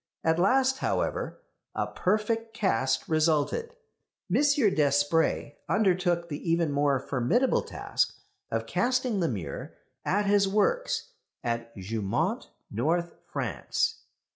At last, however, a perfect cast resulted. M. Despret undertook the even more formidable task of casting the mirror at his works at Jeumont, North France.